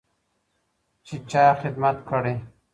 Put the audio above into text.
چې چا خدمت کړی.